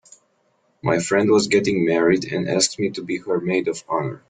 My friend was getting married and asked me to be her maid of honor.